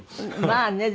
まあね。